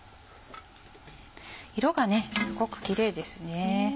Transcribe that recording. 色がすごくキレイですね。